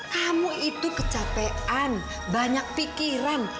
kamu itu kecapean banyak pikiran